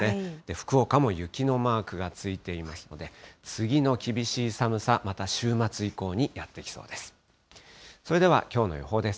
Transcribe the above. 福岡も雪のマークがついていますので、次の厳しい寒さ、また週末以降にやって来そうです。